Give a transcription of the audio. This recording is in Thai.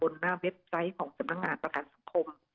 หน้าเว็บไซต์ของสำนักงานประกันสังคม